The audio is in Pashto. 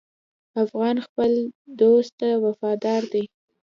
افغان خپل دوست ته وفادار دی.